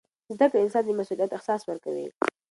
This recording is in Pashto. زده کړه انسان ته د مسؤلیت احساس ورکوي.